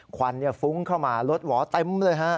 ควันฟุ้งเข้ามารถหวอเต็มเลยฮะ